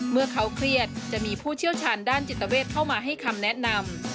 เมื่อเขาเครียดจะมีผู้เชี่ยวชาญด้านจิตเวทเข้ามาให้คำแนะนำ